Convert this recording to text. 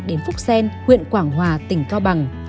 đến phúc sen huyện quảng hòa tỉnh cao bằng